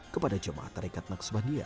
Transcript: kepada jemaah tarekat naksabandia